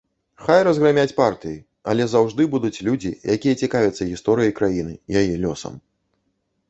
Хай разграмяць партыі, але заўжды будуць людзі, якія цікавяцца гісторыяй краіны, яе лёсам.